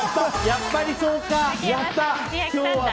やっぱりそうか！